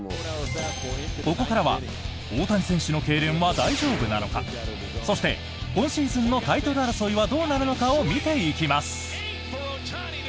ここからは大谷選手のけいれんは大丈夫なのかそして今シーズンのタイトル争いはどうなるのかを見ていきます。